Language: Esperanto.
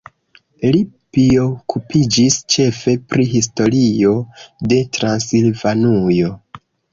Li priokupiĝis ĉefe pri historio de Transilvanujo.